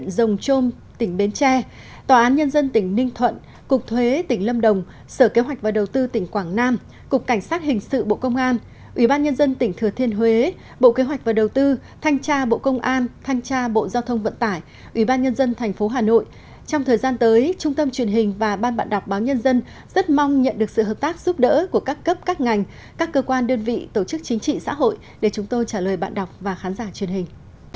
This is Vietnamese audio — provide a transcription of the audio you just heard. trong thời gian tới trung tâm truyền hình và ban bạn đọc báo nhân dân rất mong nhận được sự hợp tác giúp đỡ của các cấp các ngành các cơ quan đơn vị tổ chức chính trị xã hội để chúng tôi trả lời bạn đọc và khán giả truyền hình